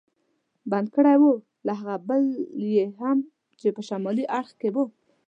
بند کړی و، له هغه بل یې هم چې په شمالي اړخ کې و.